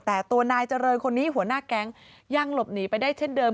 แต่ตัวนายเจริญคนนี้หัวหน้าแก๊งยังหลบหนีไปได้เช่นเดิม